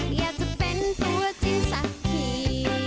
อยากจะเป็นตัวจริงสักที